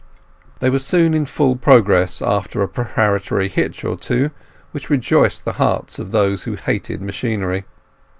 They were soon in full progress, after a preparatory hitch or two, which rejoiced the hearts of those who hated machinery.